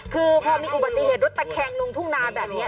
คือพอมีอุบัติเหตุรถตะแคงลงทุ่งนาแบบนี้